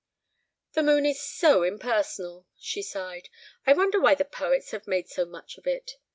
"The moon is so impersonal," she sighed. "I wonder why the poets have made so much of it?